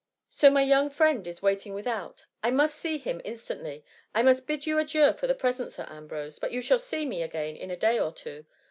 So my young friend is waiting without? I must see him instantly. I must bid you adieu for the present, Sir Ambrose, but you shall see me again in a day or two.